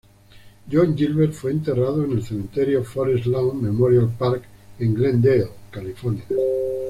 John Gilbert fue enterrado en el cementerio Forest Lawn Memorial Park en Glendale, California.